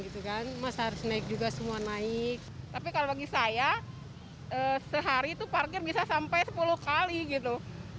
gitu kan mas harus naik juga semua naik tapi kalau gigi saya sehari tuh parkir bisa sampai sepuluh kali itu